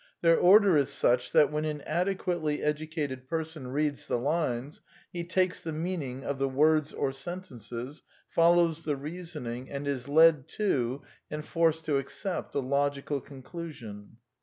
Their order is such that when an adequately educated person reads the lines, he takes the meaning of the words or sentences, follows the reasoning and is led to, and forced to accept, the logical conclusion."